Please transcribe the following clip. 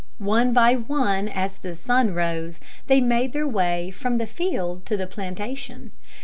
One by one, as the sun rose, they made their way from the field to the plantation.